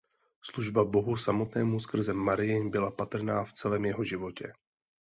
Služba Bohu samotnému skrze Marii byla patrná v celém jeho životě.